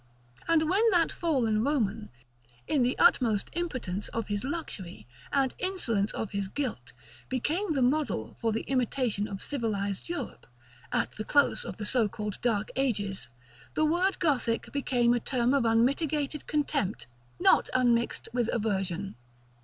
And when that fallen Roman, in the utmost impotence of his luxury, and insolence of his guilt, became the model for the imitation of civilized Europe, at the close of the so called Dark ages, the word Gothic became a term of unmitigated contempt, not unmixed with aversion.